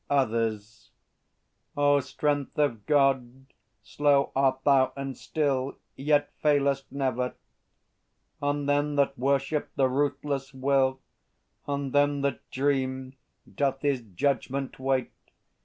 Others. O Strength of God, slow art thou and still, Yet failest never! On them that worship the Ruthless Will, On them that dream, doth His judgment wait.